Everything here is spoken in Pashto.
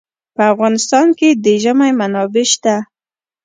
په افغانستان کې د ژمی منابع شته.